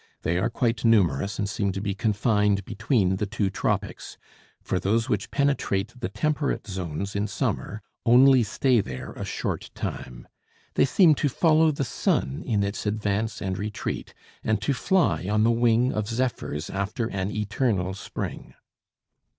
They are quite numerous and seem to be confined between the two tropics, for those which penetrate the temperate zones in summer only stay there a short time. They seem to follow the sun in its advance and retreat; and to fly on the wing of zephyrs after an eternal spring.